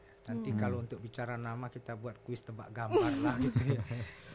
nanti kalau untuk bicara nama kita buat kuis tebak gambar lah gitu